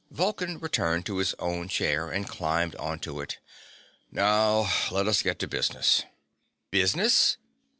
Vulcan returned to his own chair and climbed onto it. "Now let us get to business." "Business?"